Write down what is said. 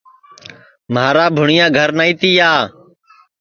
مھارا بھوٹؔیا گھر نائی تیا